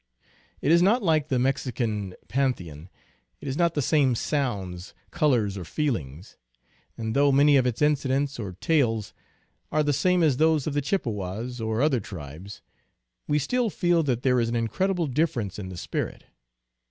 It is not like the Mexican pan theon ; it has not the same sounds, colors, or feelings ; and though many of its incidents or tales are the same as those of the Chippewas, or other tribes, we still feel that there is an incredible difference in the spirit.